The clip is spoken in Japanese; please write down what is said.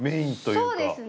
そうですね。